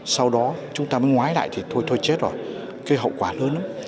sau đó chúng ta mới ngoái lại thì thôi chết rồi cái hậu quả lớn lắm